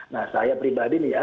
nah saya pribadi nih ya